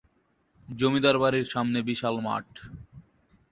জমিদার বাড়ির সামনে বিশাল মাঠ।